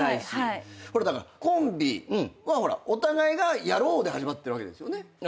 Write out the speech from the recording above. これコンビはほらお互いがやろうで始まってるわけですよね。